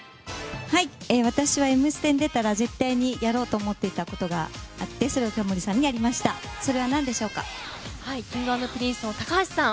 私は「Ｍステ」に出たら絶対にやろうと思っていたことがあってＫｉｎｇ＆Ｐｒｉｎｃｅの高橋さん。